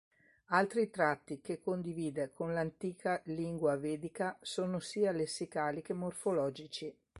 Altri tratti che condivide con l'antica lingua vedica sono sia lessicali che morfologici.